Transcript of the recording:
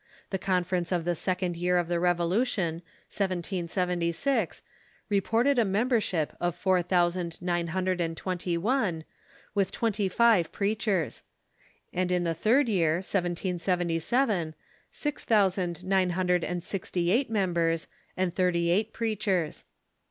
The conference of the second year of the Revolution, 1776, reported a membership of four thousand nine hundred and twenty one, with twenty five preachers; and in the third year, 1777, six thousand nine hundred and sixty eight members and thirty eight preachers.